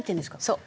そう。